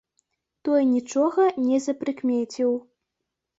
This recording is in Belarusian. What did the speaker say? Той нічога не запрыкмеціў.